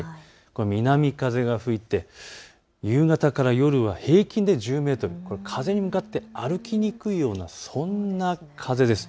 この南風が吹いて夕方から夜は平均で１０メートル、風に向かって歩きにくいような、そんな風です。